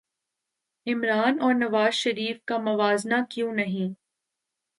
عمرا ن اور نواز شریف کا موازنہ کیوں نہیں